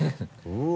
うわ！